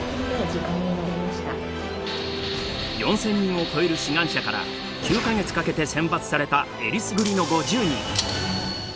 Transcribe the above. ４，０００人を超える志願者から９か月かけて選抜されたえりすぐりの５０人。